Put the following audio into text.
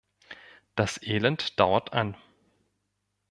Das Elend dauert an.